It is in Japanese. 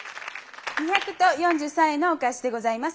２００と４３円のお返しでございます。